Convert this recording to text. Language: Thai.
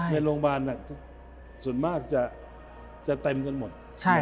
ในโรงพยาบาลส่วนมากจะเต็มกันหมด